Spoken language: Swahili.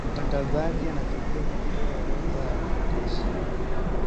mtangazaji anatakiwa kutoa orodha ya maandishi